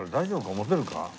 持てるか？